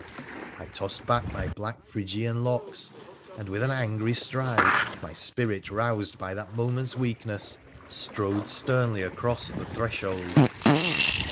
I tossed back my black Phrygian locks, and with an angry stride — my spirit roused by that moment's weakness — strode sternly across the threshold.